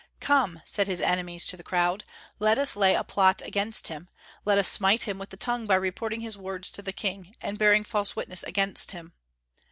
"Come," said his enemies to the crowd, "let us lay a plot against him; let us smite him with the tongue by reporting his words to the king, and bearing false witness against him."